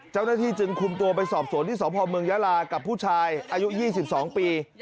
เจ้าหน้าที่จึงคุมตัวไปสอบสวนที่สพเมืองยาลากับผู้ชายอายุ๒๒ปี